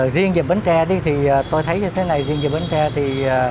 riêng về bến tre thì tôi thấy như thế này riêng về bến tre thì